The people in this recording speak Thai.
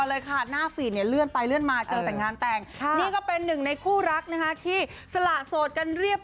เลยค่าหน้าฝีนเรื่อยมาเจอแต่งงานแต่งแทนก็เป็นหนึ่งในคู่รักนะที่สละสดกันเรียบ